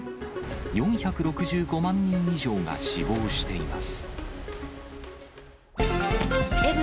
４６５万人以上が死亡しています。